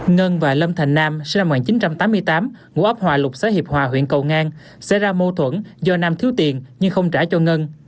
ngân và lâm thành nam sinh năm một nghìn chín trăm tám mươi tám ngũ ấp hòa lục xã hiệp hòa huyện cầu ngang sẽ ra mâu thuẫn do nam thiếu tiền nhưng không trả cho ngân